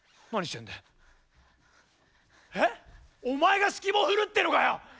お前が指揮棒振るってのかよ！